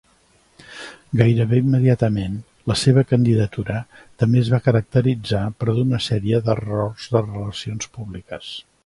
Gairebé immediatament, la seva candidatura també es va caracteritzar per d'una sèrie d'errors de relacions públiques.